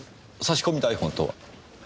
差し込み台本とは？